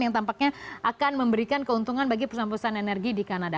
yang tampaknya akan memberikan keuntungan bagi perusahaan perusahaan energi di kanada